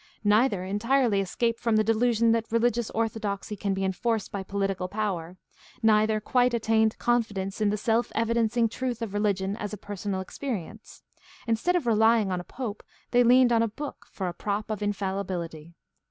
Neither entirely escaped from the delu sion that religious orthodoxy can be enforced by political power; neither quite attained confidence in the self evidencing truth of religion as a personal experience; instead of relying on a pope they leaned on a book for a prop of infallibility.